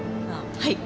はい。